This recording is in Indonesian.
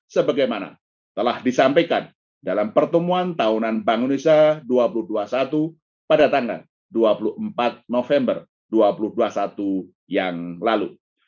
sebagaimana telah disampaikan dalam pertemuan tahunan bank indonesia dua ribu dua puluh satu pada tanggal dua puluh empat november dua ribu dua puluh satu yang lalu